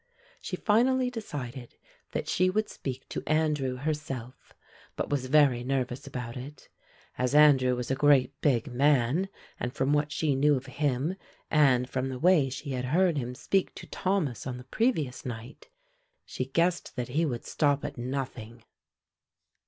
She finally decided that she would speak to Andrew herself, but was very nervous about it; as Andrew was a great big man and from what she knew of him and from the way she had heard him speak to Thomas on the previous night, she guessed that he would stop at nothing.